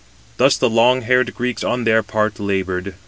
Thus the long haired Greeks on their part laboured.